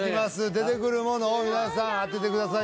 出てくるものを皆さん当ててください